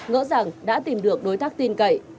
hợp đồng đã tìm được đối tác tin cậy